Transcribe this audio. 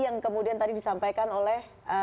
yang kemudian tadi disampaikan oleh